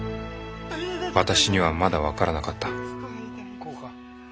私にはまだ分からなかったここか？